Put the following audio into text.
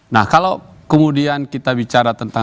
nah kalau kemudian kita bicara tentang